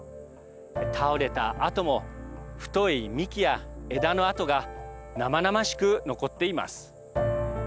倒れたあとも太い幹や枝の跡が生々しく残っています。